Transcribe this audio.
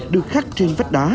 được khắc trên vách đá